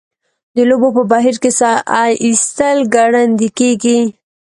د لوبو په بهیر کې ساه ایستل ګړندۍ کیږي.